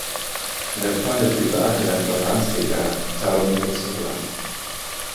Le point le plus bas de la province est à Tarom e Sofla.